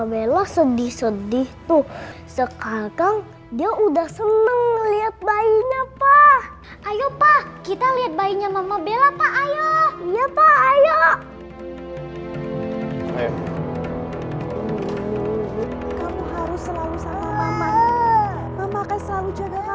mama akan selalu jaga kamu